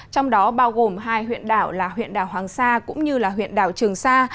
trong đó bao gồm hai huyện đảo là huyện đảo hoàng sa cũng như huyện đảo trường sa